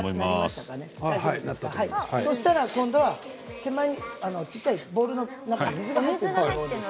そうしたら今度は手前に小さいボウルの中に水が入っています。